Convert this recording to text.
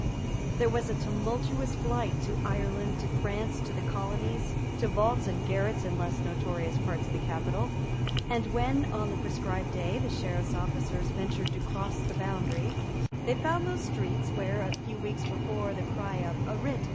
There was a tumultuous flight to Ireland, to France, to the Colonies, to vaults and garrets in less notorious parts of the capital; and when, on the prescribed day, the Sheriff's officers ventured to cross the boundary, they found those streets where, a few weeks before, the cry of "A writ!"